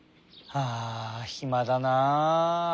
あひまだなあ。